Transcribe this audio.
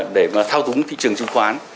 để thao túng thị trường trương khoán